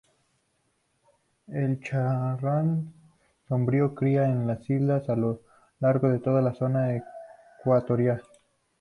El charrán sombrío cría en islas a lo largo de toda la zona ecuatorial.